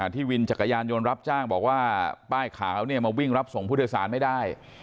วินจักรยานยนต์รับจ้างบอกว่าป้ายขาวมาวิ่งรับส่งผู้โดยสารไม่ได้